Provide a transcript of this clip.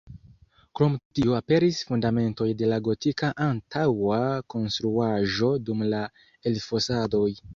Krom tio aperis fundamentoj de la gotika antaŭa konstruaĵo dum la elfosadoj.